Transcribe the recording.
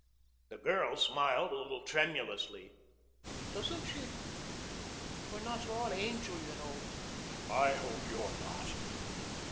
The girl smiled a little tremulously. "Doesn't she? We're not all angel, you know." "I hope you're not.